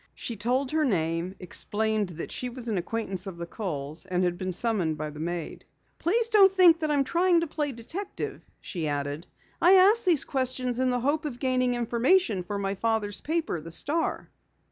She told her name, explained that she was an acquaintance of the Kohls, and had been summoned by the maid. "Please don't think that I am trying to play detective," she added. "I ask these questions in the hope of gaining information for my father's paper, the Star."